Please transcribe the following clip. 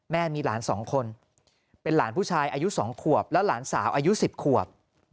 มีหลาน๒คนเป็นหลานผู้ชายอายุ๒ขวบและหลานสาวอายุ๑๐ขวบ